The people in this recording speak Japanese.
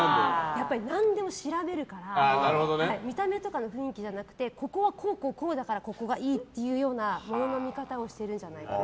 やっぱり、何でも調べるから見た目とかの雰囲気じゃなくてここはこうだからここがいいっていう見方をしてるんじゃないかと。